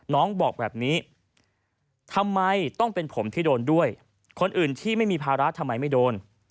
น้องบอกแบบนี้ทำไมต้องเป็นผมที่โดนด้วยคนอื่นที่ไม่มีภาระทำไมไม่โดน